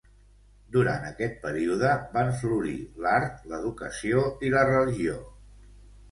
Durant aquest període van florir l'art, l'educació i la religió.